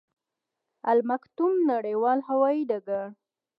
المکتوم نړیوال هوايي ډګر